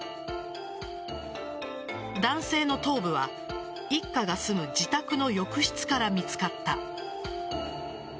男性の頭部は一家が住む自宅の浴室から見つかった。